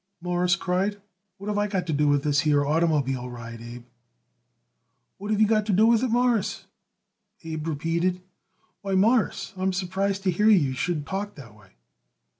_" Morris cried. "What have I got to do with this here oitermobile ride, Abe?" "What have you got to do with it, Mawruss?" Abe repeated. "Why, Mawruss, I'm surprised to hear you, you should talk that way.